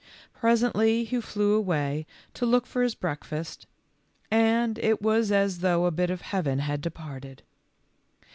Presently he flew away to look for his breakfast, and it was as though a bit of heaven had departed.